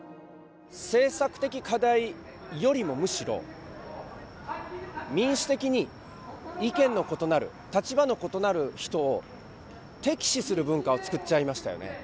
政策的課題よりも、むしろ民主的に意見の異なる、立場の異なる人を敵視する文化を作っちゃいましたよね。